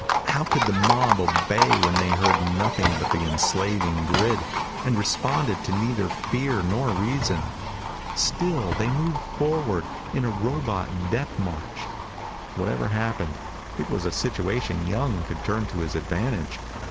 How could the mob obey when they heard nothing but the enslaving grid, and responded to neither fear nor reason? Still they moved forward, in a robot death march. Whatever happened, it was a situation Young could turn to his advantage.